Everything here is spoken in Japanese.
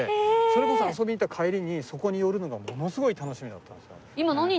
それこそ遊びに行った帰りにそこに寄るのがものすごい楽しみだったんですよ。